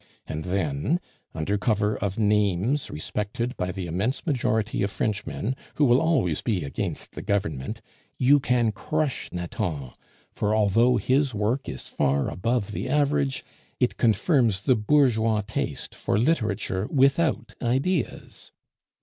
"And then, under cover of names respected by the immense majority of Frenchmen (who will always be against the Government), you can crush Nathan; for although his work is far above the average, it confirms the bourgeois taste for literature without ideas.